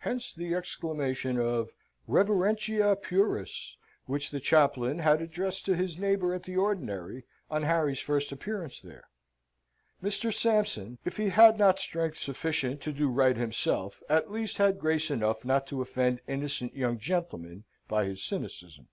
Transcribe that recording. Hence the exclamation of "Reverentia pueris," which the chaplain had addressed to his neighbour at the ordinary on Harry's first appearance there. Mr. Sampson, if he had not strength sufficient to do right himself, at least had grace enough not to offend innocent young gentlemen by his cynicism.